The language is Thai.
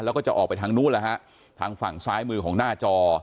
แล้วก็จะออกไปทางนู้นแล้วฮะทางฝั่งซ้ายมือของหน้าจอ